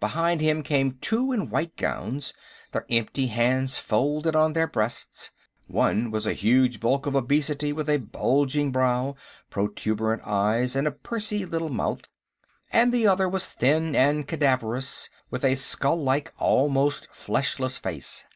Behind him came two in white gowns, their empty hands folded on their breasts; one was a huge bulk of obesity with a bulging brow, protuberant eyes and a pursey little mouth, and the other was thin and cadaverous, with a skull like, almost fleshless face.